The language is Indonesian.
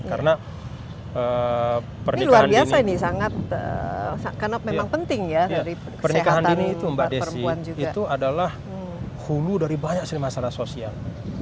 karena pernikahan dini itu mbak desi itu adalah hulu dari banyak masalah sosial